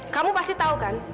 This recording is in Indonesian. kamu pasti tahu kan